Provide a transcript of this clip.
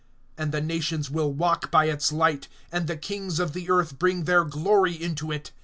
(24)And the nations will walk by its light; and the kings of the earth bring their glory into it.